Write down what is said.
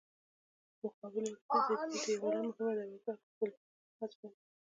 په مقابل لوري کې د دې دیوالونو مهمه دروازه باب الاسباب ده.